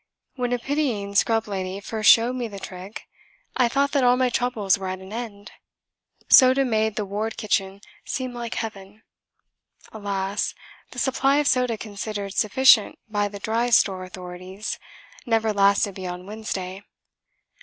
When a pitying scrub lady first showed me the trick I thought that all my troubles were at an end. Soda made the ward kitchen seem like heaven. Alas, the supply of soda considered sufficient by the Dry Store authorities never lasted beyond Wednesday.